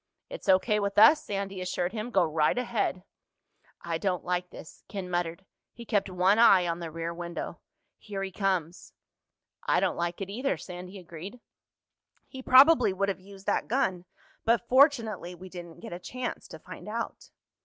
"It's O.K. with us," Sandy assured him. "Go right ahead." "I don't like this," Ken muttered. He kept one eye on the rear window. "Here he comes." "I don't like it, either," Sandy agreed. "He probably would have used that gun, but fortunately we didn't get a chance to find out."